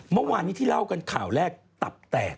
เมื่อวานนี้ที่เล่ากันข่าวแรกตับแตก